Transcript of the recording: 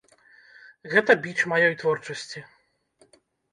Гэта біч маёй творчасці.